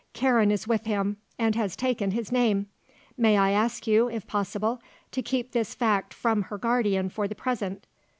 Karen is with him and has taken his name. May I ask you, if possible, to keep this fact from her guardian for the present.